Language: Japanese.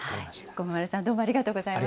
駒村さん、どうもありがとうございました。